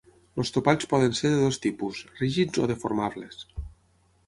Els topalls poden ser de dos tipus: rígids o deformables.